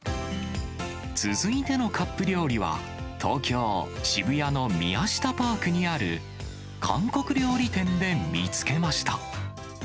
続いてのカップ料理は、東京・渋谷のミヤシタパークにある韓国料理店で見つけました。